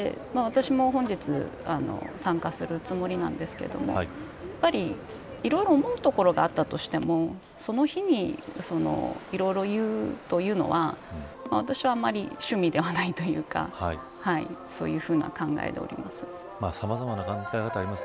私も本日参加するつもりなんですけどもやっぱり、いろいろ思うところがあったとしてもその日にいろいろ言うというのは私はあまり趣味ではないというかそういうふうな考えでおります。